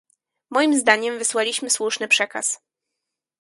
Moim zdaniem wysłaliśmy słuszny przekaz